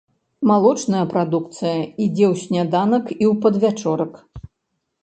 Малочная прадукцыя ідзе ў сняданак і ў падвячорак.